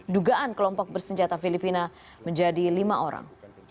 dugaan kelompok bersenjata filipina menjadi lima orang